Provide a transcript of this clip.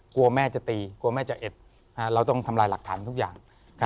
กลัวแม่จะตีกลัวแม่จะเอ็ดเราต้องทำลายหลักฐานทุกอย่าง